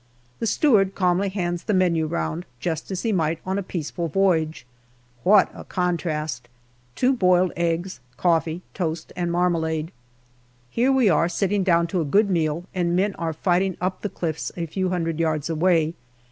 The steward calmly hands the menu round, just as he might on a peaceful voyage. What a contrast ! Two boiled eggs, coffee, toast, and marmalade. Here we are sitting down to a good meal and men are fighting up the cliffs a few hundred yards away.